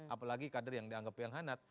apalagi kader yang dianggap yang hangat